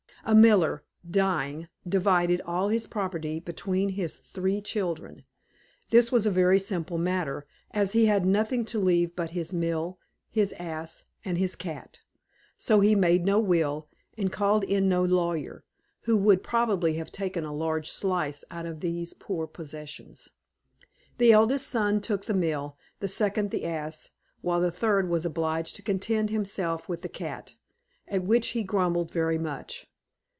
A Miller, dying, divided all his property between his three children. This was a very simple matter, as he had nothing to leave but his mill, his ass, and his cat; so he made no will, and called in no lawyer, who would, probably, have taken a large slice out of these poor possessions. The eldest son took the mill, the second the ass, while the third was obliged to content himself with the cat, at which he grumbled very much.